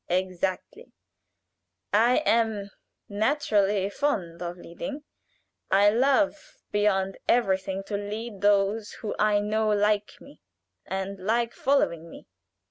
"Exactly. I am naturally fond of leading. I love beyond everything to lead those who I know like me, and like following me.